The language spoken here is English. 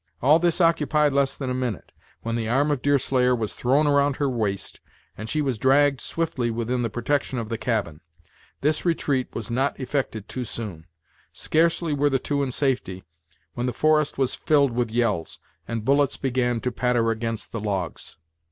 All this occupied less than a minute, when the arm of Deerslayer was thrown around her waist, and she was dragged swiftly within the protection of the cabin. This retreat was not effected too soon. Scarcely were the two in safety, when the forest was filled with yells, and bullets began to patter against the logs.